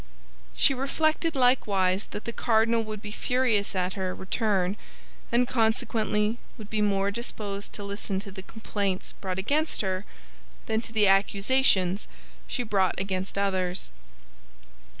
She reflected likewise that the cardinal would be furious at her return, and consequently would be more disposed to listen to the complaints brought against her than to the accusations she brought against others.